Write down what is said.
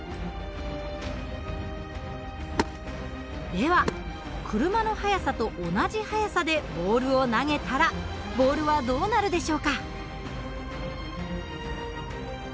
では車の速さと同じ速さでボールを投げたらボールはどうなるでしょうか？